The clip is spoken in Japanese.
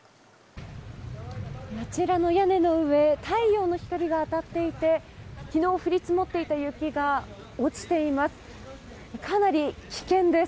あちらの屋根の上太陽の光が当たっていて昨日降り積もっていた雪が落ちています。